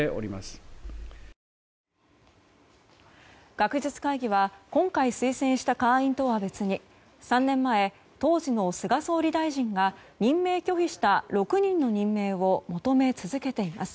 学術会議は今回推薦した会員とは別に３年前、当時の菅総理大臣が任命拒否した６人の任命を求め続けています。